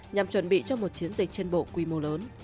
nhằm chuẩn bị cho một chiến dịch trên bộ